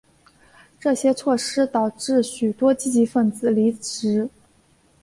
这些措施导致许多积极份子离职。